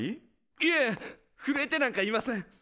いえふるえてなんかいません。